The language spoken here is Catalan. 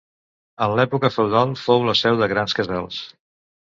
En l'època feudal fou la seu de grans casals.